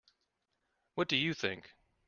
What did you think?